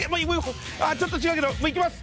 ちょっと違うけどもういきます！